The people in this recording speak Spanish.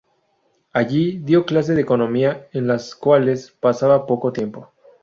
Allí dio clases de economía en las cuales pasaba poco tiempo.